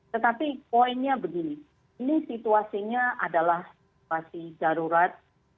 tetapi poinnya begini ini situasinya adalah situasi darurat